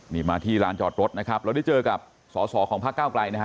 นี่มาที่ลานจอดรถนะครับเราได้เจอกับสอสอของพระเก้าไกลนะฮะ